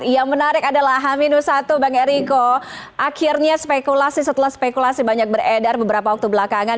yang menarik adalah h satu bang eriko akhirnya spekulasi setelah spekulasi banyak beredar beberapa waktu belakangan